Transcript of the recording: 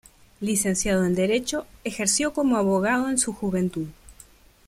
Licenciado en Derecho, ejerció como abogado en su juventud.